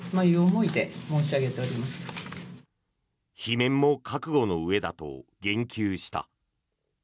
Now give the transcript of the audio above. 罷免も覚悟のうえだと言及した。